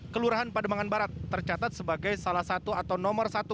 kelurahan pademangan barat tercatat sebagai salah satu atau nomor satu